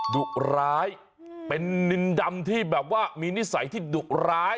ดุร้ายเป็นนินดำที่แบบว่ามีนิสัยที่ดุร้าย